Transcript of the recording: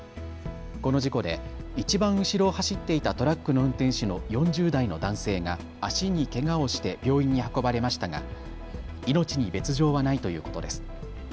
この事故でいちばん後ろを走っていたトラックの運転手の４０代の男性が足にけがをして病院に運ばれましたが命に別状はないということです。